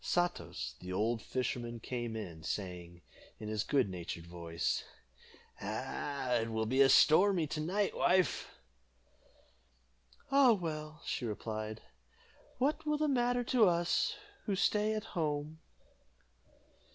Satos, the old fisherman, came in, saying, in his good natured voice, "It will be stormy to night, wife." "Ah, well," replied she, "what will that matter to us, who stay at home?"